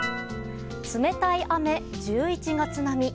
冷たい雨、１１月並み。